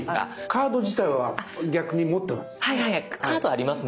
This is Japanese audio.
カード自体は逆に持ってます。